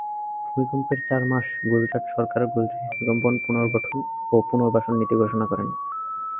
ভূমিকম্পের চার মাস পর গুজরাট সরকার গুজরাট ভূমিকম্প পুনর্গঠন ও পুনর্বাসন নীতি ঘোষণা করে।